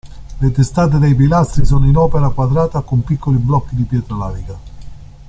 Le testate dei pilastri sono in opera quadrata con piccoli blocchi di pietra lavica.